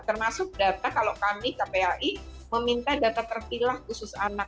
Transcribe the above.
termasuk data kalau kami kpai meminta data terpilah khusus anak